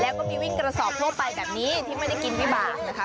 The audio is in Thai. แล้วก็มีวิ่งกระสอบทั่วไปแบบนี้ที่ไม่ได้กินวิบากนะคะ